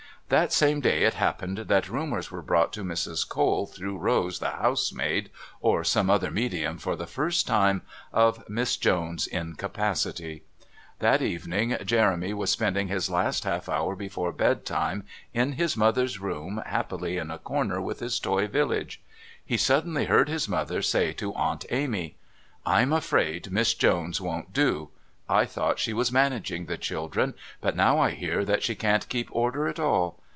That same day it happened that rumours were brought to Mrs. Cole through Rose, the housemaid, or some other medium for the first time, of Miss Jones's incapacity. That evening Jeremy was spending his last half hour before bedtime in his mother's room happily in a corner with his toy village. He suddenly heard his mother say to Aunt Amy: "I'm afraid Miss Jones won't do. I thought she was managing the children, but now I hear that she can't keep order at all.